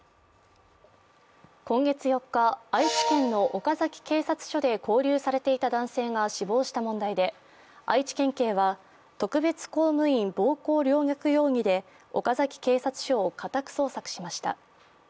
今月４日、愛知県の岡崎警察署で勾留されていた男性が死亡した問題で愛知県警は特別公務員暴行陵虐容疑で岡崎警察署を家宅捜索しました。